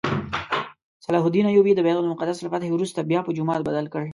صلاح الدین ایوبي د بیت المقدس له فتحې وروسته بیا په جومات بدل کړ.